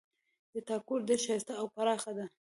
د تا کور ډېر ښایسته او پراخ ده